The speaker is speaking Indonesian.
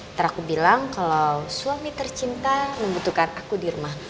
ntar aku bilang kalau suami tercinta membutuhkan aku di rumah